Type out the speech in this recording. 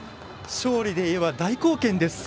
勝利で言えば大貢献です。